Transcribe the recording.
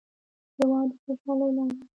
هېواد د خوشحالۍ لار ده.